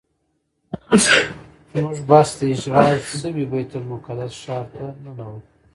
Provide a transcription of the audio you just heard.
زموږ بس د اشغال شوي بیت المقدس ښار ته ننوت.